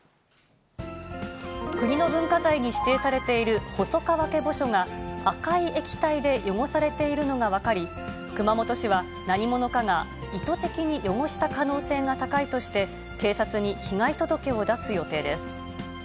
国の文化財に指定されている細川家墓所が、赤い液体で汚されているのが分かり、熊本市は、何者かが意図的に汚した可能性が高いとして、警察に被害届を出す予定です。